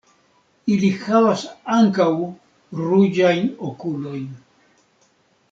Ili havas ankaŭ ruĝajn okulojn.